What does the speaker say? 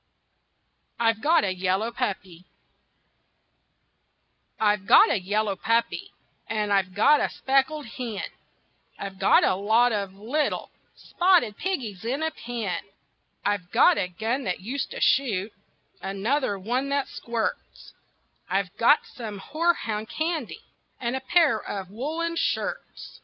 I'VE GOT A YELLOW PUPPY I've got a yellow puppy, And I've got a speckled hen, I've got a lot of little Spotted piggies in a pen. I've got a gun that used to shoot, Another one that squirts, I've got some horehound candy And a pair of woolen shirts.